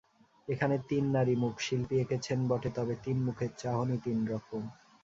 এখানে তিন নারীমুখ শিল্পী এঁকেছেন বটে তবে তিন মুখের চাহনি তিন রকম।